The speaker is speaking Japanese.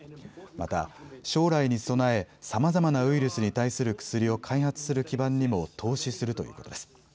また将来に備え、さまざまなウイルスに対する薬を開発する基盤にも投資するということです。